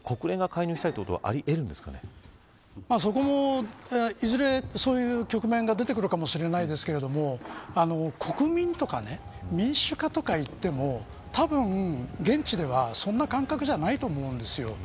こうなると、第三者の介入国連が介入するいずれ、そういう局面が出てくるかもしれませんが国民とか民主化とかいってもたぶん現地ではそんな感覚ではないと思うんです。